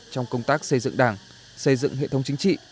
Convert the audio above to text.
trong công tác xây dựng đảng xây dựng hệ thống chính trị